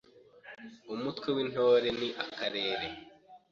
Umutwe w’Intore ni Akarere